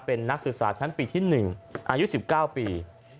เป็นนักศึกษาชั้นปีที่๑อายุ๑๙ปี